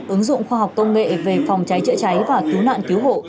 ứng dụng khoa học công nghệ về phòng cháy chữa cháy và cứu nạn cứu hộ